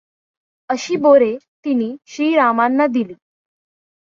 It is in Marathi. अशी बोरे तिने श्री रामांना दिली.